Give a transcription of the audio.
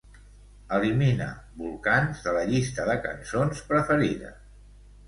Elimina "Volcans" de la llista de cançons preferides.